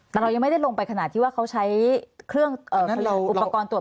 แต่เรายังไม่ได้ลงไปขนาดที่ว่าเขาใช้อุปกรณ์ตรวจเหมือนกัน